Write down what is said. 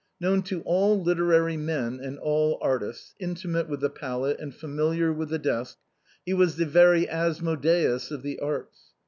Known to all literary men and all artists, intimate with the palette and familiar with the desk, he was the very As modeus of the arts.